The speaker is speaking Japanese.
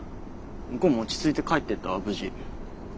向こうも落ち着いて帰ってったわ無事。